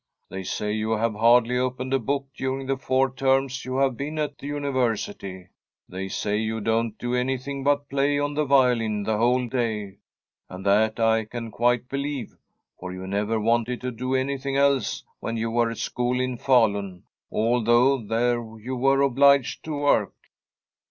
They say you have hardly opened a book during the four terms you have been at the University. They say you don't do anything but play on the violin the whole day ; and that I can quite believe, for you never wanted to do anything else when you were at school in Falu, although there you were obliged to work.'